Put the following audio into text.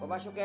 gue masuk ya